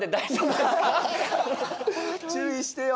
注意してよ。